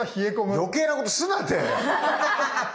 おい余計なことすんなって。